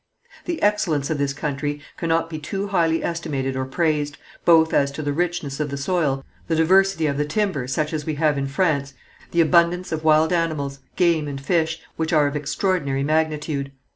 "The excellence of this country cannot be too highly estimated or praised, both as to the richness of the soil, the diversity of the timber such as we have in France, the abundance of wild animals, game and fish, which are of extraordinary magnitude.